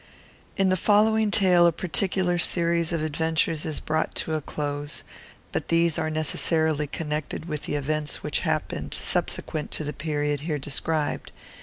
In the following tale a particular series of adventures is brought to a close; but these are necessarily connected with the events which happened subsequent to the period here described.